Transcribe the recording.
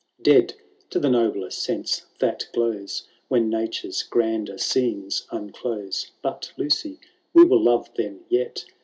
Dead to the nobler sense that glows When nature*8 grander scenes unclose But, Lucy, we will love them yet.